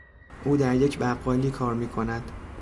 او در یک بقالی کار میکند.